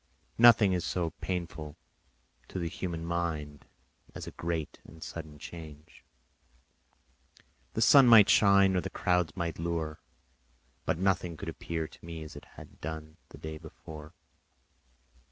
Nothing is so painful to the human mind as a great and sudden change. The sun might shine or the clouds might lower, but nothing could appear to me as it had done the day before.